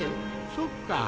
そっか。